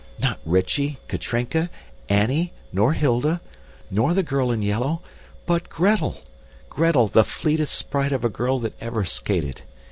Not Rychie, Katrinka, Annie, nor Hilda, nor the girl in yellow, but Gretel Gretel, the fleetest sprite of a girl that ever skated.